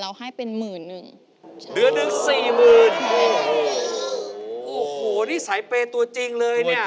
อันนี้โอเคสูงสูงหรอ